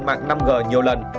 mạng năm g nhiều lần